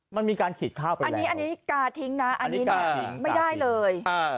มันมีการขีดค่าไปแล้วอันนี้กาทิ้งนะอันนี้ไม่ได้เลย